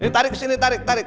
tarik kesini tarik